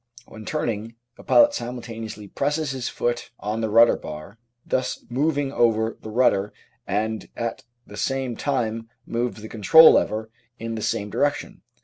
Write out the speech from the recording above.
When turning, the pilot simultaneously presses his foot on the rudder bar, thus moving over the rudder, and at the same time moves the control lever in the same direc tion.